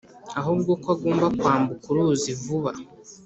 ahubwo ko agomba kwambuka uruzi vuba